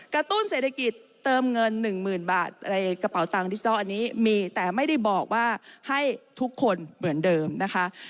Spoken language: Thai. ตุ้นเศรษฐกิจเติมเงินหนึ่งหมื่นบาทในกระเป๋าตังค์ดิจิทัลอันนี้มีแต่ไม่ได้บอกว่าให้ทุกคนเหมือนเดิมนะคะ